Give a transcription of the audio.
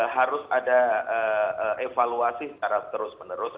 harus ada evaluasi secara terus menerus